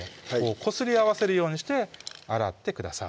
こすり合わせるようにして洗ってください